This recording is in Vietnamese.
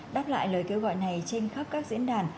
đáp lại lời kêu gọi này trên khắp các diễn đàn